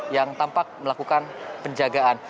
yang tampak melakukan penjagaan